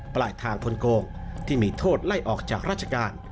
ปลายทางพลโกงที่มีโทษไล่ออกจากราชการ